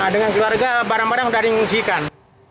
dengan keluarga barang barang sudah diungsikan